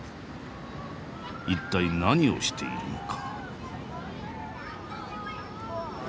一体何をしているのか？